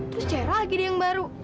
terus cair lagi deh yang baru